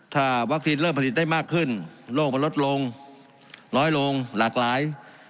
ถ้าวัคซีนเริ่มผลิตได้มากขึ้นโลกมันลดลงน้อยลงหลากหลาย